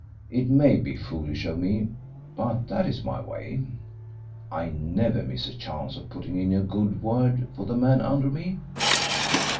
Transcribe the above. It may be foolish of me, but that is my way. I never miss a chance of putting in a good word for the man under me."